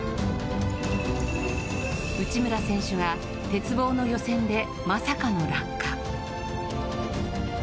内村選手が鉄棒の予選でまさかの落下。